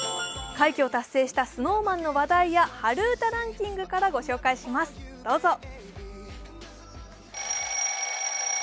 快挙を達成したＳｎｏｗＭａｎの話題や春うたランキングからご紹介します、どうぞ。